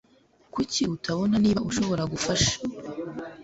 Kuki utabona niba ushobora gufasha ?